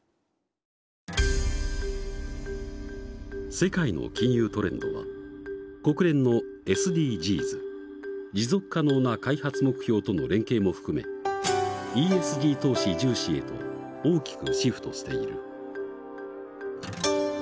世界の金融トレンドは国連のＳＤＧｓ持続可能な開発目標との連携も含めＥＳＧ投資重視へと大きくシフトしている。